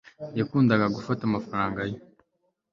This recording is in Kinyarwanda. yakundaga guta amafaranga ye